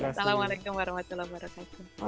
wassalamualaikum warahmatullahi wabarakatuh